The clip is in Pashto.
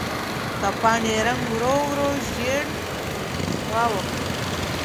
د پاڼې رنګ ورو ورو ژېړ واوښت.